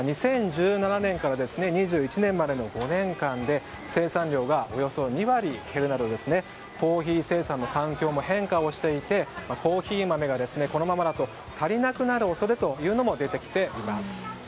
２０１７年から２０２１年までの５年間で生産量がおよそ２割減るなどコーヒー生産の環境も変化していてコーヒー豆がこのままだと足りなくなる恐れも出てきています。